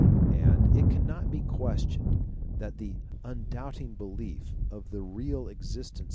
And, it cannot be^guestioned that the un doubting belief of the real existence